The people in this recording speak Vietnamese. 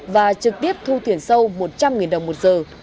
và trực tiếp thu tiền sâu một trăm linh đồng một giờ